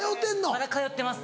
まだ通ってます。